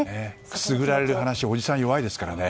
くすぐられる話はおじさん、弱いですからね。